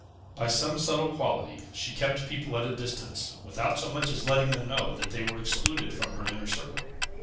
By some subtile quality, she kept people at a distance, without so much as letting them know that they were excluded from her inner circle.